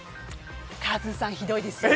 カズさん、ひどいですよ。